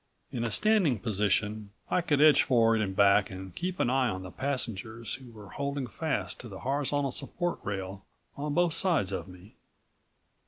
In a standing position I could edge forward and back and keep an eye on the passengers who were holding fast to the horizontal support rail on both sides of me.